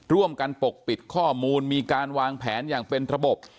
ปกปิดข้อมูลมีการวางแผนอย่างเป็นระบบ